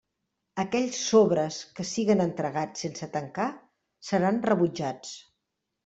Aquells sobres que siguen entregats sense tancar seran rebutjats.